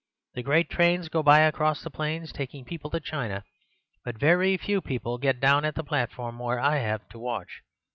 The great trains go by across the plains taking people to China, but very few people get down at the platform where I have to watch.